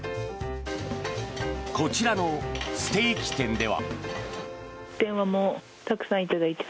こちらのステーキ店では。